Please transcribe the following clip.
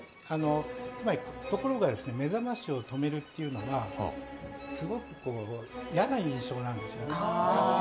ところが目覚ましを止めるというのが、すごく嫌な印象なんですよね。